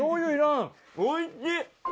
おいしい！